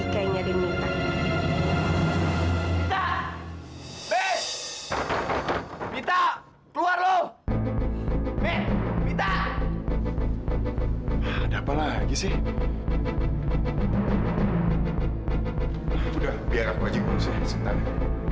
kayaknya diminta minta keluar loh ada apa lagi sih udah biar aku aja berusaha sentuhan